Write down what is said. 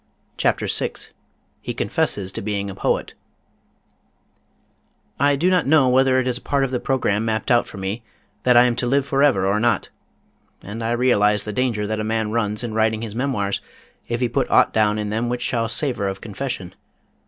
CHAPTER VI HE CONFESSES TO BEING A POET I do not know whether it is a part of the programme mapped out for me that I am to live forever or not, and I realize the danger that a man runs in writing his memoirs if he put aught down in them which shall savor of confession.